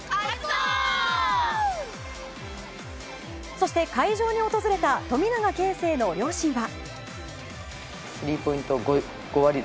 そして、会場に訪れた富永啓生の両親は。